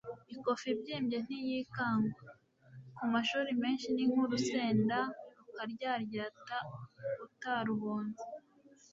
ikofi ibyimbye ntiyikangwa , ku mashuri menshi ni nk'urusenda rukaryaryata utaruhonze